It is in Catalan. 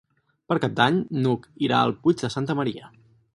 Per Cap d'Any n'Hug irà al Puig de Santa Maria.